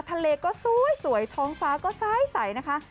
ทะเลก็สวยท้องฟ้าก็สายใสนะคะ